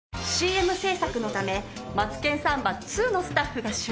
ＣＭ制作のため『マツケンサンバⅡ』のスタッフが集結。